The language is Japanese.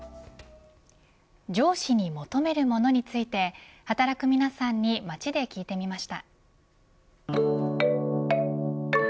上司に求めるものについて働く皆さんに街で聞いてみました。